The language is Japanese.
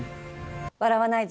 笑わないぞ。